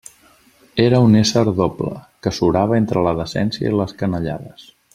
Era un ésser doble, que surava entre la decència i les canallades.